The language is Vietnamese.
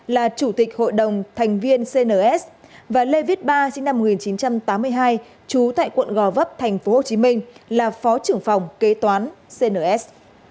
là chủ tịch hội đồng thành viên cns và lê viết ba sinh năm một nghìn chín trăm tám mươi hai trú tại quận gò vấp tp hcm là phó trưởng phòng kế toán cns